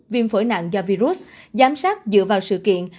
viêm phổi nặng do virus giám sát dựa vào sự kiện